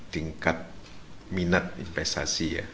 tingkat minat investasi ya